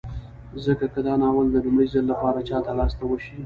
ځکه که دا ناول د لومړي ځل لپاره چاته لاس ته وشي